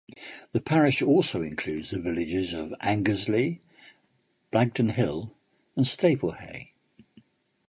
The parish also includes the villages of Angersleigh, Blagdon Hill and Staplehay.